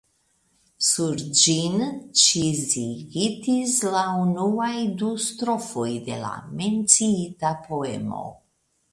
Sur ĝin ĉizigitis la unuaj du strofoj de la menciita poemo.